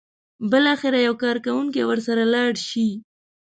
بالاخره یو کارکوونکی ورسره لاړ شي.